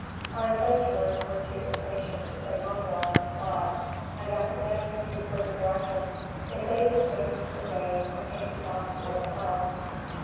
Our adventurers were too impatient to stay longer on the spot; and, after getting a few further directions, they bade the strangers good day and hastened on towards the house.